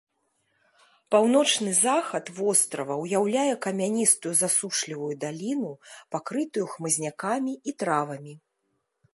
Паўночны захад вострава ўяўляе камяністую засушлівую даліну, пакрытую хмызнякамі і травамі.